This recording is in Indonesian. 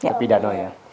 tepi danau ya